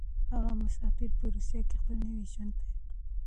هغه مسافر په روسيه کې خپل نوی ژوند پيل کړ.